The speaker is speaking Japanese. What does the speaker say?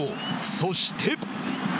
そして。